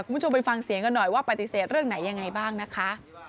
คุณผู้ชมไปฟังเสียงกันหน่อยว่าปฏิเสธเรื่องไหนยังไงบ้างนะคะ